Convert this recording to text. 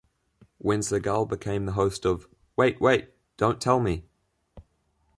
When Sagal became the host of Wait Wait.. Don't Tell Me!